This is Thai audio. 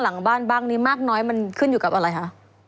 หลังบ้านบ้างนี้มากน้อยมันขึ้นอยู่กับอะไรคะ